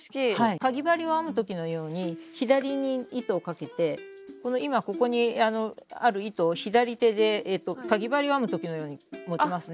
かぎ針を編む時のように左に糸をかけてこの今ここにある糸を左手でかぎ針を編む時のように持ちますね。